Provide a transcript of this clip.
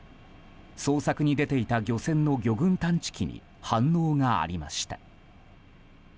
捜索に出ていた漁船の魚群探知機に反応がありました。